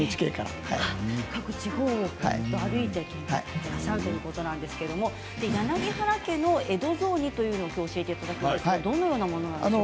とにかく地方を歩いてらっしゃるということなんですけど柳原家の江戸雑煮というのを教えていただくんですがどのようなものなんでしょうか。